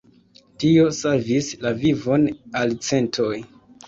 Tio savis la vivon al centoj.